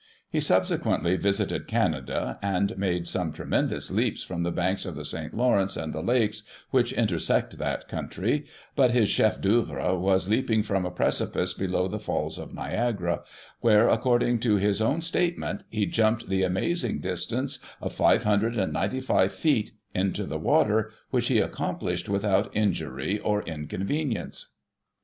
He, subsequently^ visited Canada, and made some tremendous leaps from the banks of the St. Lawrence, and the lakes which intersect that country ; but his chef d'ceuvre was leaping from a precipice below the Falls of Niagara, where, according to his own state ment, he jumped the amazing distance of 595 feet, into the water, which he accomplished without injury or inconvenience